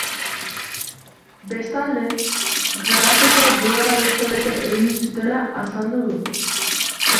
Bestalde, grabaketa duela urtebete egin zutela azaldu du.